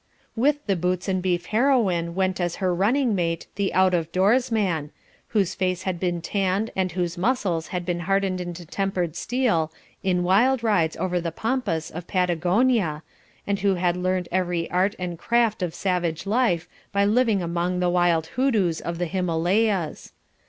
With the Boots and Beef Heroine went as her running mate the out of doors man, whose face had been tanned and whose muscles had been hardened into tempered steel in wild rides over the Pampas of Patagonia, and who had learned every art and craft of savage life by living among the wild Hoodoos of the Himalayas.